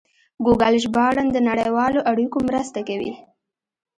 ګوګل ژباړن د نړیوالو اړیکو مرسته کوي.